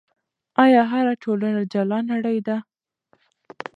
آیا هره ټولنه جلا نړۍ ده؟